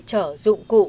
trở dụng cụ